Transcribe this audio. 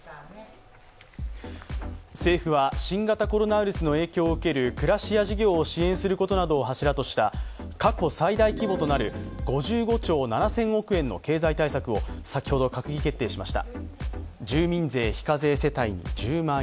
政府は新型コロナウイルスの影響を受ける暮らしや事業を支援することなどを柱とした過去最大規模となる５５兆７０００億円の経済対策を先ほど閣議決定しました。